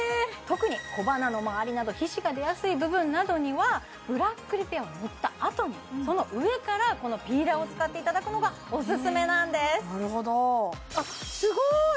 特に小鼻のまわりなど皮脂が出やすい部分などにはブラックリペアを塗ったあとにその上からこのピーラーを使っていただくのがオススメなんですなるほどすごーい！